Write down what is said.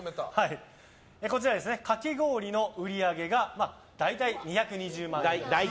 こちら、かき氷の売り上げが大体２２０万円。